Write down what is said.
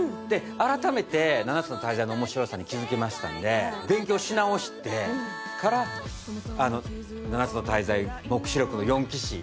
改めて「七つの大罪」の面白さに気づけましたんで勉強し直してから「七つの大罪黙示録の四騎士」